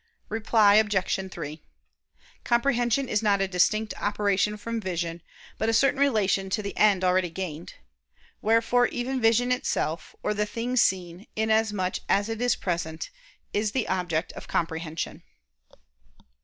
Reply Obj. 3: Comprehension is not a distinct operation from vision; but a certain relation to the end already gained. Wherefore even vision itself, or the thing seen, inasmuch as it is present, is the object of comprehension.